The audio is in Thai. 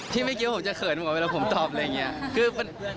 ที่ไม่เกลียวผมจะเขนผมเวลาผมตอบคือ